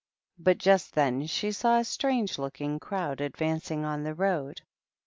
But just then she saw a strange looking crowd ad vancing on the road.